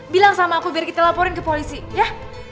bilang sama aku biar kita laporin ke polisi ya